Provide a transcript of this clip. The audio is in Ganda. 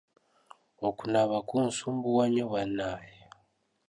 Okunaaba kunsumbuwa nnyo bannange.